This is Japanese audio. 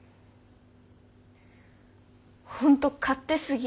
本当勝手すぎ。